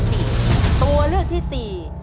ตัวเลือกที่สี่